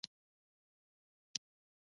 آزاد تجارت مهم دی ځکه چې انټرنیټ خپروي.